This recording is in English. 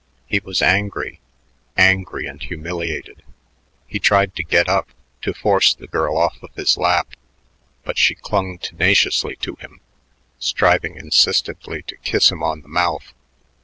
He was angry, angry and humiliated. He tried to get up, to force the girl off of his lap, but she clung tenaciously to him, striving insistently to kiss him on the mouth.